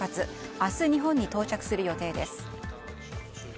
明日、日本に到着する予定です。